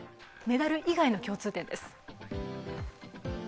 メダル以外の共通点です。